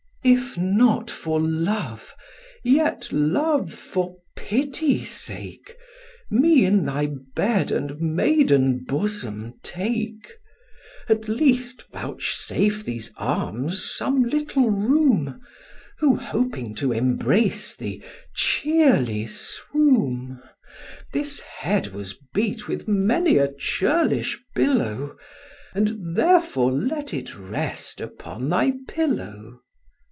"If not for love, yet, love, for pity sake, Me in thy bed and maiden bosom take; At least vouchsafe these arms some little room, Who, hoping to embrace thee, cheerly swoom: This head was beat with many a churlish billow, And therefore let it rest upon thy pillow."